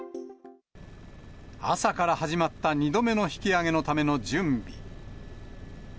朝から始まった２度目の引き揚げのための準備。